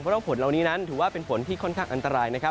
เพราะว่าฝนเหล่านี้นั้นถือว่าเป็นฝนที่ค่อนข้างอันตรายนะครับ